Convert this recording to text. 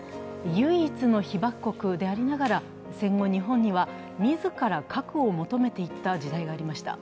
唯一の被爆国でありながら戦後、日本には自ら核を求めていった時代がありました。